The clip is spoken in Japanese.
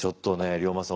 龍馬さん！